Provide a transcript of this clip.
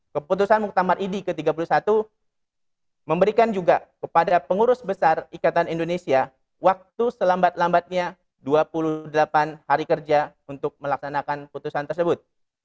keputusan muktamar idi ke tiga puluh satu memberikan juga kepada pengurus besar ikatan indonesia waktu selambat lambatnya dua puluh delapan hari kerja untuk melaksanakan putusan tersebut